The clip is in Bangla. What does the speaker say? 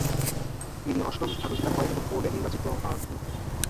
তিনি অষ্টম স্থান অধিকার করেন এবং বোর্ডে নির্বাচিত হন নি।